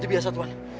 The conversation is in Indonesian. terima kasih papa